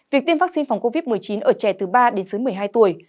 việc tiêm vaccine phòng covid một mươi chín ở trẻ từ ba đến dưới một mươi hai tuổi